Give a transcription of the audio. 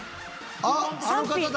あっあの方だ！